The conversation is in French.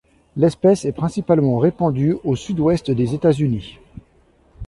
L'espèce est principalement répandue au sud-ouest des États-Unis.